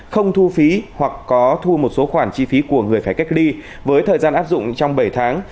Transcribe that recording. không thu phí hoặc có thu một số khoản chi phí của người phải cách ly với thời gian áp dụng trong bảy tháng